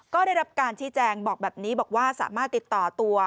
ก็ได้รับการชี้แจงบอกแบบนี้บอกว่าสามารถติดต่อตัว